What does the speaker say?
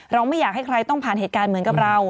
ไม่อยากให้ใครต้องผ่านเหตุการณ์เหมือนกับเรา